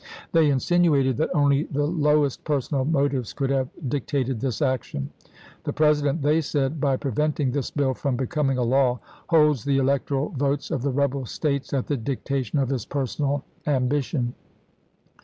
They insinuated that only the lowest personal motives could have dic tated this action :" The President," they said, " by preventing this bill from becoming a law, holds the electoral votes of the rebel States at the dictation of his personal ambition.